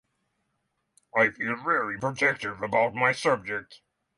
I feel very protective about my subjects.